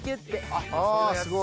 あすごい。